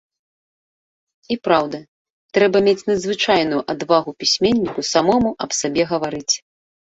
І, праўда, трэба мець надзвычайную адвагу пісьменніку самому аб сабе гаварыць.